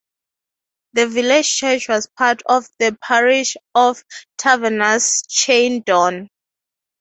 The village church was part of the parish of Tavannes-Chaindon.